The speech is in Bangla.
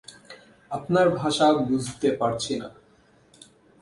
আপনার ভাষা বুঝতে পারছি না।